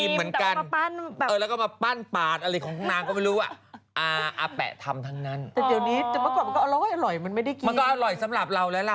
เหลือก็เหมือนจะเป่าอยู่น่ะ